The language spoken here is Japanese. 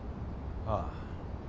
ああ。